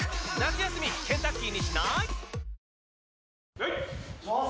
はい！